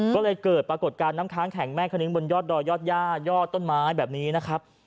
ก็เลยเกิดปรากฏการณ์น้ำค้างแข็งแม่คณิ้งบนยอดดอยยอดย่ายอดต้นไม้แบบนี้นะครับ